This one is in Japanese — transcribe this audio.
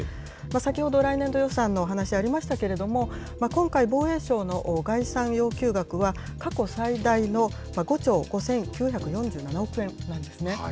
先ほど、来年度予算案の話ありましたけれども、今回、防衛省の概算要求額は、過去最大の５兆５９４７億円なんですね。